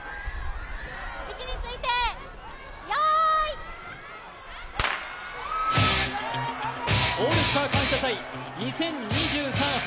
位置について、よーい「オールスター感謝祭２０２３春」